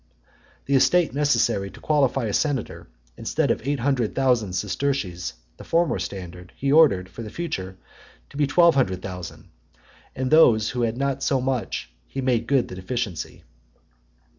The estate necessary to qualify a senator, instead of eight hundred thousand sesterces, the former standard, he ordered, for the future, to be twelve hundred thousand; and to those who had not so much, he made good the deficiency.